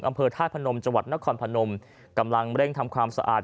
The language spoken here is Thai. อำเภอธาตุพนมจังหวัดนครพนมกำลังเร่งทำความสะอาด